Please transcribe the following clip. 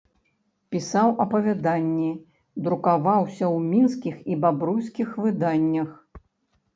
Пісаў апавяданні, друкаваўся ў мінскіх і бабруйскіх выданнях.